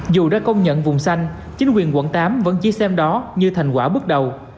dù đã công nhận vùng xanh chính quyền quận tám vẫn chỉ xem đó như thành quả bước đầu